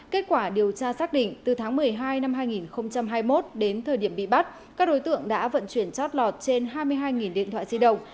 kết quả điều tra xác định từ tháng một mươi hai năm hai nghìn hai mươi một đến thời điểm bị bắt các đối tượng đã vận chuyển chót lọt trên hai mươi hai điện thoại di động